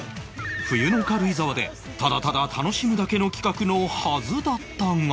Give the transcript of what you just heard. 冬の軽井沢でただただ楽しむだけの企画のはずだったが